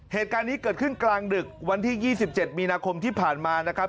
เหตุการณ์นี้เกิดขึ้นกลางดึกวันที่๒๗มีนาคมที่ผ่านมานะครับ